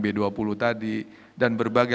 b dua puluh tadi dan berbagai